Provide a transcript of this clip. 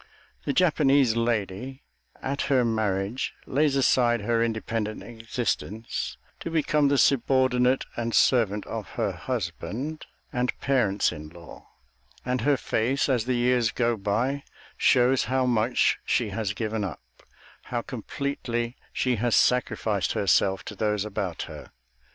The Japanese lady, at her marriage, lays aside her independent existence to become the subordinate and servant of her husband and parents in law, and her face, as the years go by, shows how much she has given up, how completely she has sacrificed herself to those about her.